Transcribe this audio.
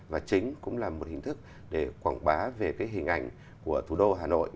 và chính cũng là một hình thức để quảng bá về cái hình ảnh của thủ đô hà nội